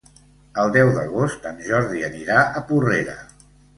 El deu d'agost en Jordi anirà a Porrera.